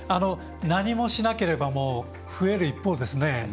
何もしなければ増える一方ですね。